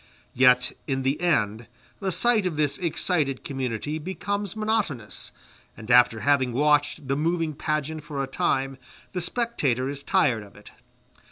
Yet in the end the sight of this excited community becomes monotonous, and after having watched the moving pageant for a time the spectator is tired of it.